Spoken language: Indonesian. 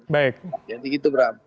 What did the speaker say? jadi gitu bram